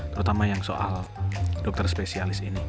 terutama yang soal dokter spesialis ini